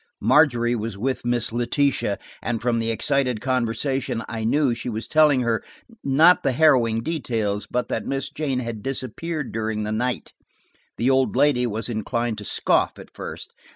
Margery was with Miss Letitia, and from the excited conversation I knew she was telling her–not harrowing details, but that Miss Jane had disappeared during the night. The old lady was inclined to scoff at first.